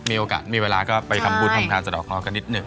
มีโอกาสมีเวลาก็ไปทำบุญทำการสะดอกเคราะห์กันนิดหนึ่ง